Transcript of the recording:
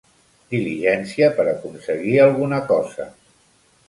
Diligència per aconseguir alguna cosa.